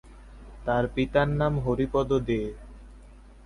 তার পিতার নাম হরিপদ দে।